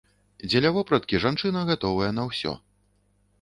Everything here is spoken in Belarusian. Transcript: Дзеля вопраткі жанчына гатовая на ўсё.